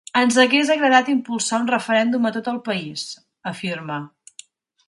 Ens hagués agradat impulsar un referèndum a tot el país, afirma.